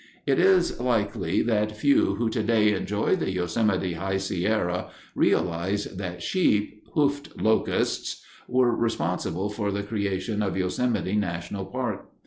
It is likely that few who today enjoy the Yosemite High Sierra realize that sheep, "hoofed locusts," were responsible for the creation of Yosemite National Park.